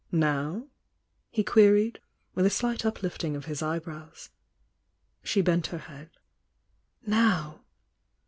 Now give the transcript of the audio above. "Now?" he queried, with a slight uplifting of his eyebrows. She bent her head. "Now!"